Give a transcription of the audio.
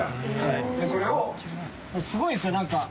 すごいですよ中。